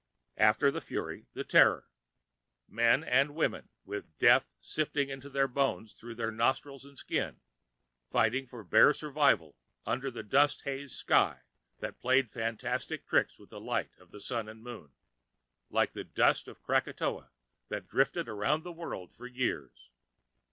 After the Fury, the Terror. Men and women with death sifting into their bones through their nostrils and skin, fighting for bare survival under a dust hazed sky that played fantastic tricks with the light of Sun and Moon, like the dust from Krakatoa that drifted around the world for years.